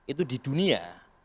itu di dunia